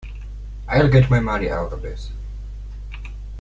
I'll get my money out of this.